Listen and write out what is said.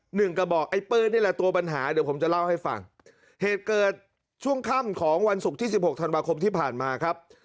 หนึ่งกระบอกไอ้ปืนนี่แหละตัวปัญหาเดี๋ยวผมจะเล่าให้ฟังเหตุเกิดช่วงค่ำของวันศุกร์ที่สิบหกธันวาคมที่ผ่านมาครับ